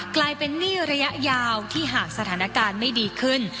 กลายเป็นหนี้ระยะยาวที่หากสถานการณ์ไม่ดีขึ้น